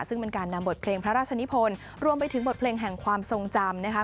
ซึ่งเป็นการนำบทเพลงพระราชนิพลรวมไปถึงบทเพลงแห่งความทรงจำนะคะ